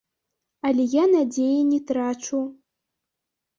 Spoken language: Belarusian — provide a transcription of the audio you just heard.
Але я надзеі не трачу.